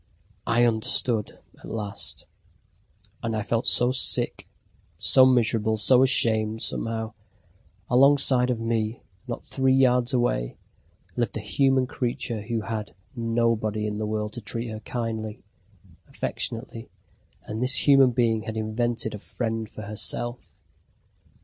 I understood at last. And I felt so sick, so miserable, so ashamed, somehow. Alongside of me, not three yards away, lived a human creature who had nobody in the world to treat her kindly, affectionately, and this human being had invented a friend for herself!